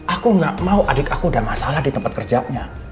aku gak mau adik aku udah masalah di tempat kerjanya